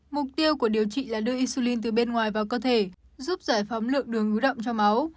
mục tiêu của điều trị là đưa insulin từ bên ngoài vào cơ thể giúp giải phóng lượng đường ngứa đậm trong máu